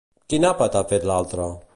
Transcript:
Quin àpat ha fet l'altra?